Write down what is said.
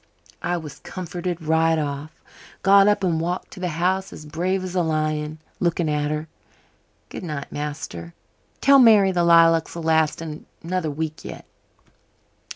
I was comforted right off. Got up and walked to the house as brave as a lion, looking at her. Goodnight, master. Tell Mary the lilacs'll last another week yet."